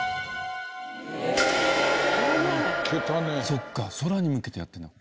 そっか空に向けてやってるんだ。